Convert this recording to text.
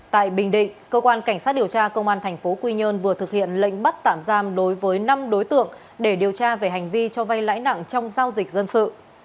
tại bình định cơ quan cảnh sát điều tra công an thành phố quy nhơn vừa thực hiện lệnh bắt tạm giam đối với năm đối tượng để điều tra về hành vi cho vay lãi nặng trong giao dịch dân sự